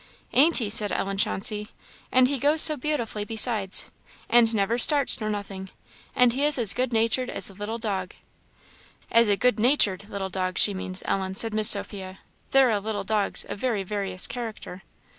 "Ain't he!" said Ellen Chauncey "and he goes so beautifully besides, and never starts nor nothing; and he is as good natured as a little dog." "As a good natured little dog, she means, Ellen," said Miss Sophia "there are little dogs of very various character."